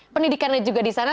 pendidikannya juga di sana